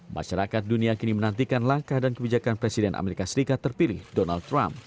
masyarakat dunia kini menantikan langkah dan kebijakan presiden amerika serikat terpilih donald trump